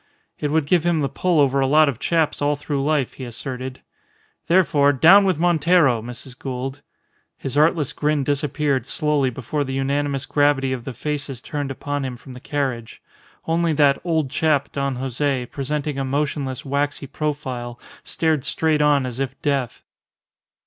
It would give him the pull over a lot of chaps all through life, he asserted. "Therefore down with Montero! Mrs. Gould." His artless grin disappeared slowly before the unanimous gravity of the faces turned upon him from the carriage; only that "old chap," Don Jose, presenting a motionless, waxy profile, stared straight on as if deaf.